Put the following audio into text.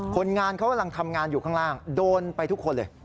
คนงานเขากำลังทำงานอยู่ข้างล่างโดนไปทุกคนเลย